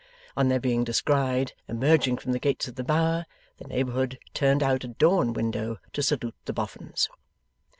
On their being descried emerging from the gates of the Bower, the neighbourhood turned out at door and window to salute the Boffins.